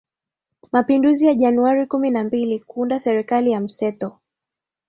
Mapinduzi ya Januari kumi na mbili kuunda Serikali ya mseto